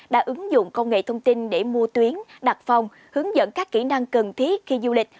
đã ứng dụng công nghệ thông tin để mua tuyến đặt phòng hướng dẫn các kỹ năng cần thiết khi du lịch